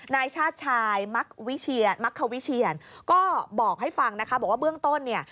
นายชาติชายมักควิเชียนก็บอกให้ฟังนะคะบอกว่าห้วงต้นนี่